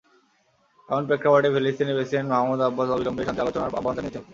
এমন প্রেক্ষাপটে ফিলিস্তিনি প্রেসিডেন্ট মাহমুদ আব্বাস অবিলম্বে শান্তি আলোচনার আহ্বান জানিয়েছেন।